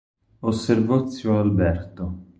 Osservò zio Alberto.